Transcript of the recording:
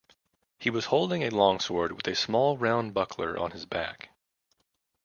He was holding a longsword with a small round buckler on his back